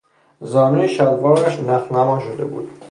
زانوی شلوارش نخنما شده بود.